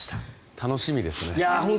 楽しみですね。